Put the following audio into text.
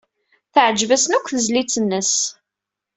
Teɛjeb-asen akk tezlit-nnes.